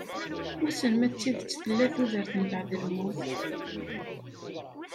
Wissen ma d tidet tella tudert umbaɛd lmut?